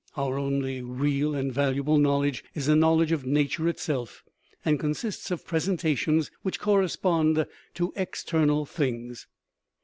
Our only real and valuable knowledge is a knowledge of nature itself, and con sists of presentations which correspond to external things.